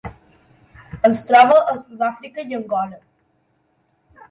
Es troba a Sud-àfrica i Angola.